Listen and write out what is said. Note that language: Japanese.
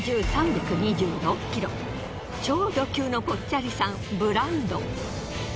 超ド級のぽっちゃりさんブランドン。